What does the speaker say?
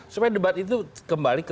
supaya debat itu kembali